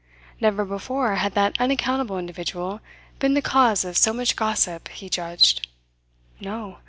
Never before had that unaccountable individual been the cause of so much gossip, he judged. No!